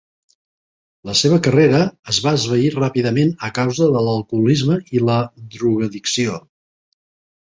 La seva carrera es va esvair ràpidament a causa de l'alcoholisme i la drogoaddicció.